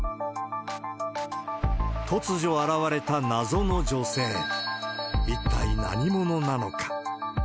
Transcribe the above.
突如現れた謎の女性、一体何者なのか。